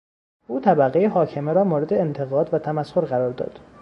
او طبقهی حاکمه را مورد انتقاد و تمسخر قرار داد.